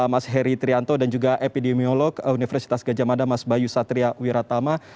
mas heri trianto dan juga epidemiolog universitas gajah mada mas bayu satria wiratama